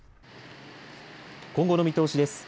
今後の見通しです。